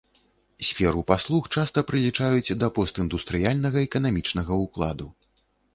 Сферу паслуг часта прылічаюць да постіндустрыяльнага эканамічнага ўкладу.